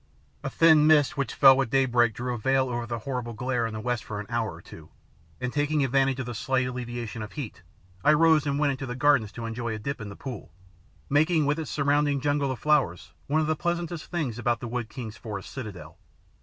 A thin mist which fell with daybreak drew a veil over the horrible glare in the west for an hour or two, and taking advantage of the slight alleviation of heat, I rose and went into the gardens to enjoy a dip in a pool, making, with its surrounding jungle of flowers, one of the pleasantest things about the wood king's forest citadel.